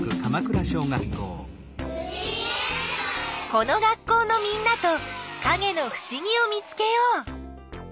この学校のみんなとかげのふしぎを見つけよう！